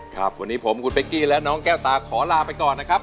ครับวันนี้ผมคุณเป๊กกี้และน้องแก้วตาขอลาไปก่อนนะครับ